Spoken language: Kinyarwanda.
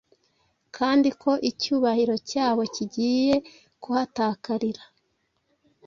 kandi ko icyubahiro cyabo kigiye kuhatakarira.